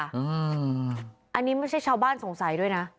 อันนี้ไม่ใช่ชาวบ้านสงสัยด้วยนะ